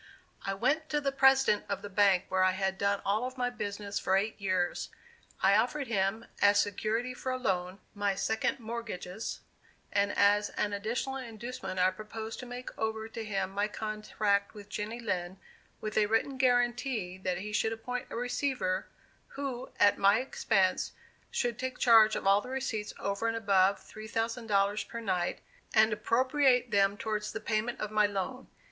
I went to the president of the bank where I had done all my business for eight years. I offered him, as security for a loan, my second mortgages, and as an additional inducement, I proposed to make over to him my contract with Jenny Lind, with a written guaranty that he should appoint a receiver, who, at my expense, should take charge of all the receipts over and above three thousand dollars per night, and appropriate them towards the payment of my loan.